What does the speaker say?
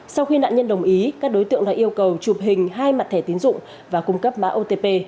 sau khi nạn nhân đồng ý các đối tượng đã yêu cầu chụp hình hai mặt thẻ tiến dụng và cung cấp mã otp